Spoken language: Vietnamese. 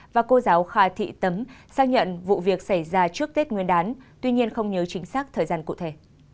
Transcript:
và thị tấm xác nhận vụ việc xảy ra trước tết nguyên đán tuy nhiên không nhớ chính xác thời gian cụ thể